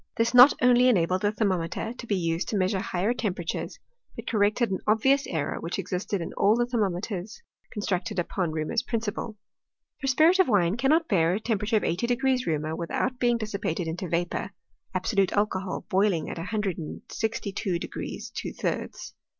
This not only en abled the thermometer to be used to measure higher temperatures, but corrected an obvious error which existed in all the thermometers constructed upon Reaumur's principle : for spirit of wine cannot bear a temperature of eighty degrees Reaumur without being dissipated into vapour — absolute alcohol boiling at a hundred and sixty two degrees two thirds.